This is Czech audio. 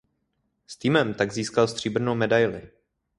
S týmem tak získal stříbrnou medaili.